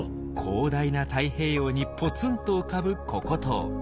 広大な太平洋にポツンと浮かぶココ島。